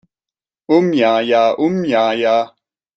Um Yah Yah! Um Yah Yah!